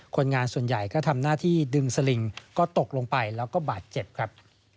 คนงานส่วนใหญ่ก็ทำหน้าที่ดึงสลิงก็ตกลงไปแล้วก็บาดเจ็บครับ